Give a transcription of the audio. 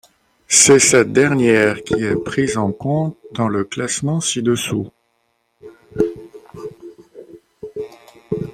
C'est cette dernière qui est prise en compte dans le classement ci-dessous.